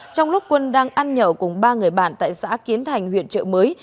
trong lúc quân đang ăn nhậu cùng ba người bạn tại xã kiến thành huyện trợ mới